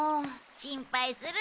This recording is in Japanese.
心配するな。